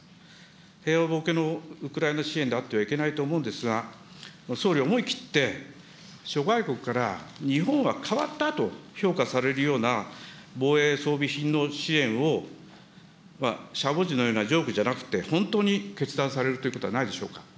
平和ぼけのウクライナ支援であってはいけないと思うんですが、総理、思い切って、諸外国から、日本は変わったと評価されるような、防衛装備品の支援を、しゃもじのようなジョークじゃなくて、本当に決断されるということはないでしょうか。